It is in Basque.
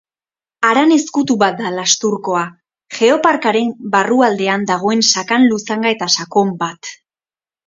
Haran ezkutu bat da Lasturkoa; Geoparkaren barrualdean dagoen sakan luzanga eta sakon bat.